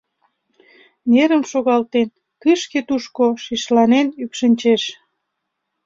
Нерым шогалтен, тышке-тушко шишланен ӱпшынчеш.